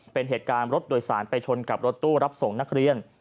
เป็นเหตุการณ์รถโดยสารไปชนกับรถตู้รับส่งนักเรียน